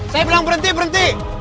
saya bilang berhenti berhenti